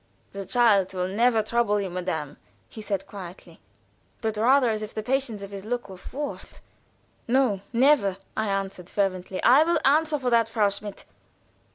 "The child will never trouble you, madame," said he, quietly, but rather as if the patience of his look were forced. "No, never!" I added, fervently. "I will answer for that, Frau Schmidt."